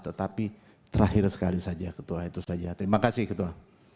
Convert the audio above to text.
tetapi terakhir sekali saja ketua itu saja terima kasih ketua